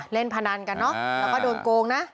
พนันกันเนอะแล้วก็โดนโกงนะ